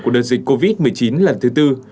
của đợt dịch covid một mươi chín lần thứ tư